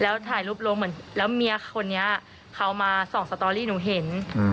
แล้วถ่ายรูปลงเหมือนแล้วเมียคนนี้เขามาส่องสตอรี่หนูเห็น